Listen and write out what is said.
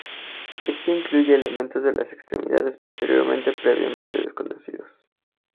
Esto incluye elementos de las extremidades posteriores previamente desconocidos.